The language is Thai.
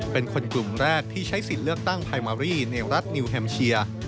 เป็นคนกลุ่มแรกที่ใช้สิทธิ์เลือกตั้งไพมารีในรัฐนิวแฮมเชีย